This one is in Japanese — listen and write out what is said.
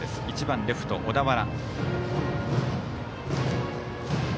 １番、レフト小田原。